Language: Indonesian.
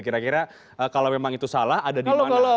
kira kira kalau memang itu salah ada di mana